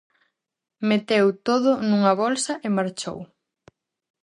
Meteu todo nunha bolsa e marchou.